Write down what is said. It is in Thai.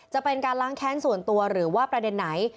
จะเป็นการล้างแค้นส่วนตัวหรือว่าประเด็นไหน